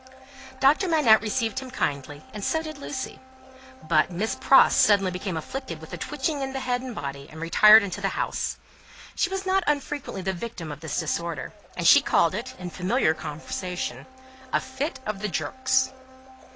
Doctor Manette received him kindly, and so did Lucie. But, Miss Pross suddenly became afflicted with a twitching in the head and body, and retired into the house. She was not unfrequently the victim of this disorder, and she called it, in familiar conversation, "a fit of the jerks."